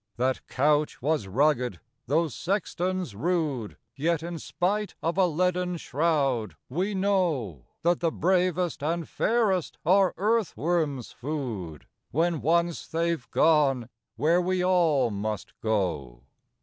That couch was rugged, those sextons rude, Yet, in spite of a leaden shroud, we knowThat the bravest and fairest are earth worms' food, When once they've gone where we all must go.